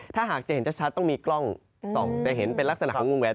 ถ้าหากจะเห็นชัดต้องมีกล้องส่องจะเห็นเป็นลักษณะของวงแหวน